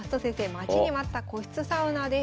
待ちに待った個室サウナです。